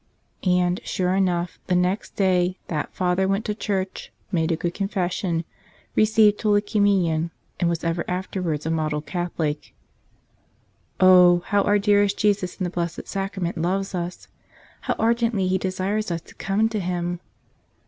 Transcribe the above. And, sure enough, the next day that father went to church, made a good confession, received Holy Com¬ munion, and was ever afterwards a model Catholic. Oh, how our dearest Jesus in the Blessed Sacrament loves us! How ardently He desires us to come to Him!